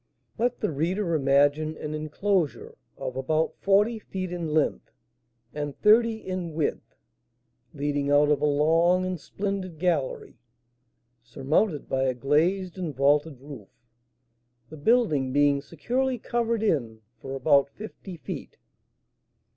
Let the reader imagine an enclosure of about forty feet in length, and thirty in width (leading out of a long and splendid gallery), surmounted by a glazed and vaulted roof, the building being securely covered in for about fifty feet.